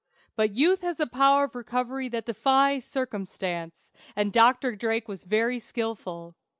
But youth has a power of recovery that defies circumstance, and Dr. Drake was very skilful.